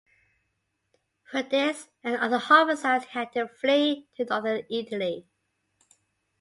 For this and other homicides he had to flee to northern Italy.